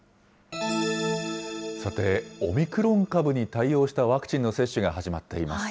さて、オミクロン株に対応したワクチンの接種が始まっています。